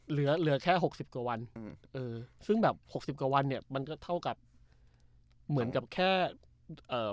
เหลือเหลือแค่หกสิบกว่าวันอืมเออซึ่งแบบหกสิบกว่าวันเนี้ยมันก็เท่ากับเหมือนกับแค่เอ่อ